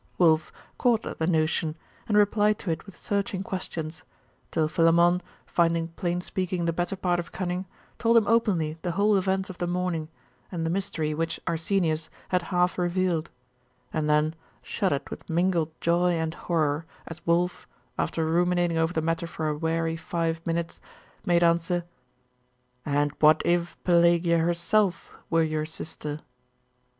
Wulf caught at the notion, and replied to it with searching questions, till Philammon, finding plain speaking the better part of cunning, told him openly the whole events of the morning, and the mystery which Arsenius had half revealed, and then shuddered with mingled joy and horror, as Wulf, after ruminating over the matter for a weary five minutes, made answer 'And what if Pelagia herself were your sister?